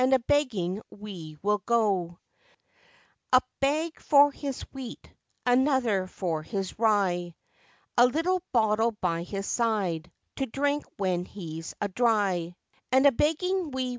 A bag for his wheat, Another for his rye; A little bottle by his side, To drink when he's a dry. And a begging, &c.